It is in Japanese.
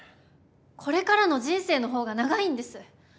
これからの人生の方が長いんです！